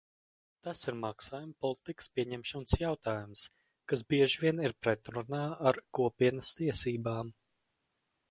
Tas ir maksājumu politikas pieņemšanas jautājums, kas bieži vien ir pretrunā ar Kopienas tiesībām.